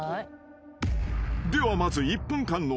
［ではまず１分間の］